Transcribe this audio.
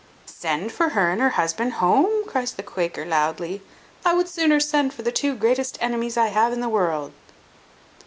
"Send for her and her husband home!" cries the Quaker loudly; "I would sooner send for the two greatest enemies I have in the world!"